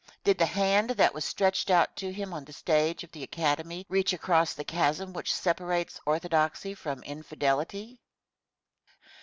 Did the hand that was stretched out to him on the stage of the Academy reach across the chasm which separates orthodoxy from infidelity?